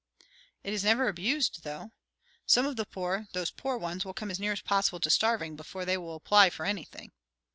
"It is never abused, though. Some of the people, those poor ones, will come as near as possible to starving before they will apply for anything."